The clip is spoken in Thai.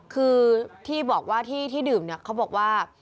คือที่บอกว่าที่ดื่มเนี่ยเขาบอกว่า